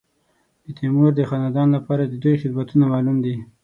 د تیمور د خاندان لپاره د دوی خدمتونه معلوم دي.